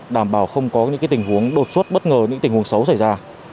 đảm bảo không có những tình huống đột xuất bất ngờ những tình huống xấu xảy ra